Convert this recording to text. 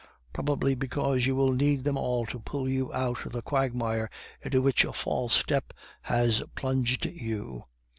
probably because you will need them all to pull you out of the quagmire into which a false step has plunged you.